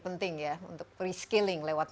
penting ya untuk preskilling lewat